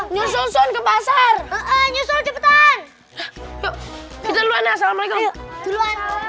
nyusul nyusul ke pasar nyusul cepetan kita luar assalamualaikum